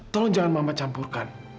tolong jangan mama campurkan